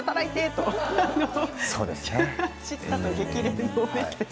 そうですね。